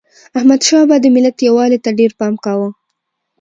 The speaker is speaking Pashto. احمدشاه بابا د ملت یووالي ته ډېر پام کاوه.